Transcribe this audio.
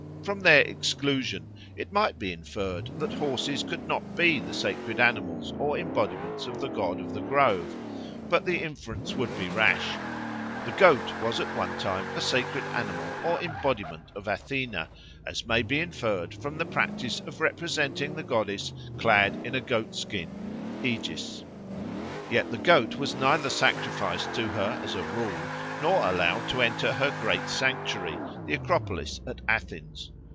From their exclusion it might be inferred that horses could not be the sacred animals or embodiments of the god of the grove. But the inference would be rash. The goat was at one time a sacred animal or embodiment of Athena, as may be inferred from the practice of representing the goddess clad in a goat skin (aegis). Yet the goat was neither sacrificed to her as a rule, nor allowed to enter her great sanctuary, the Acropolis at Athens.